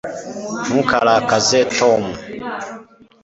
ntukarakaze tom